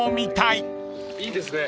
いいですね。